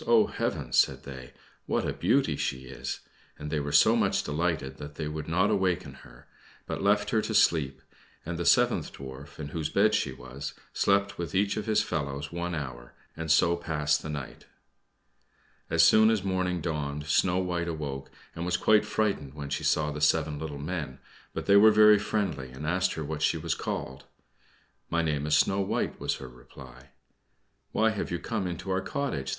oh, heavens!" said they; "what a beauty she is!" and they were so much delighted that they would not awaken her, but left her to sleep, and the seventh Dwarf, in whose bed she was, slept with each of his fellows one hour, and so passed the night. As soon as morning dawned Snow White awoke, and was quite frightened when she saw the seven little men; but they were very friendly, and asked her what she was called. "My name is Snow White," was her reply. "Why have you come into our cottage?"